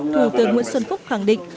thủ tướng nguyễn xuân phúc khẳng định